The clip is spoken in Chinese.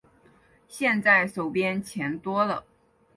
现在手边钱多了